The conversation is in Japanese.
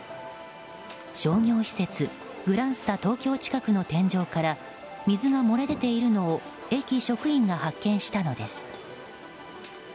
商業施設グランスタ東京近くの天井から水が漏れ出ているのを駅職員が発見したのです。